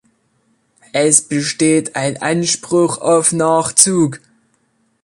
Es besteht ein Anspruch auf Nachzug.